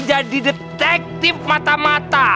jadi detektif mata mata